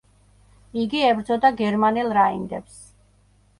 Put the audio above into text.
იგი ებრძოდა გერმანელ რაინდებს.